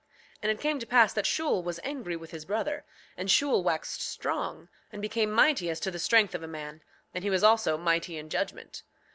7:8 And it came to pass that Shule was angry with his brother; and Shule waxed strong, and became mighty as to the strength of a man; and he was also mighty in judgment.